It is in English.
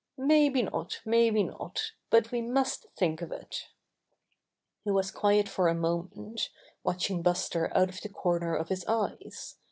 "Maybe not! Maybe not! But we must think of it." He was quiet for a moment, watching Buster out of the corner of his eyes.